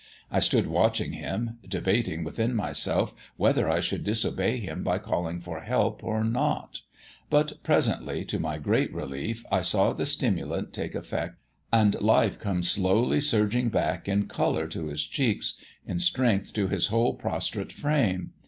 I stood watching him, debating within myself whether I should disobey him by calling for help or not; but presently, to my great relief, I saw the stimulant take effect, and life come slowly surging back in colour to his cheeks, in strength to his whole prostrate frame.